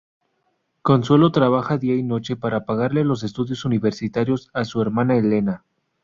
Consuelo trabaja día y noche para pagarle los estudios universitarios a su hermana Elena.